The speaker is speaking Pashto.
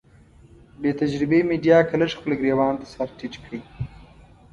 بې تجربې ميډيا که لږ خپل ګرېوان ته سر ټيټ کړي.